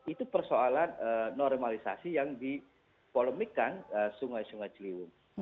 itu persoalan normalisasi yang dipolemikan sungai sungai ciliwung